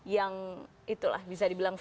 yang itulah bisa dibilang